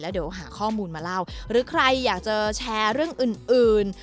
เดี๋ยวหาข้อมูลมาเล่าหรือใครอยากจะแชร์เรื่องอื่นอื่น